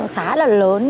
khá là lớn